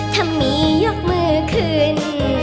ถ้ามียกมือขึ้น